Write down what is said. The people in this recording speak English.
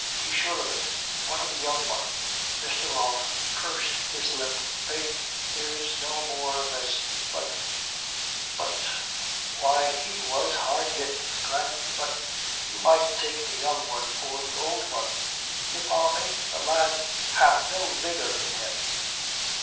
"Be sure of it. What of the young one?" Mr. Rolfe pursed his lip. "Faith, there's no more amiss. But but why, he was hard hit, I grant you but you might take the young one for the old one. D'ye follow me? The lad hath no vigour in him."